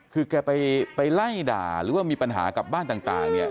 คือแกไปไล่ด่าหรือว่ามีปัญหากับบ้านต่างเนี่ย